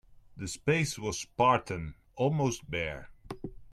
The space was spartan, almost bare.